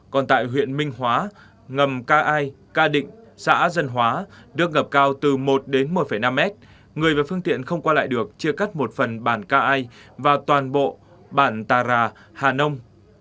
còn tại huyện minh hóa ngầm ca ai ca định xã dân hóa được ngập cao từ một đến một năm mét người và phương tiện không qua lại được chia cắt một phần bản ca ai và toàn bộ bản tà rà hà nông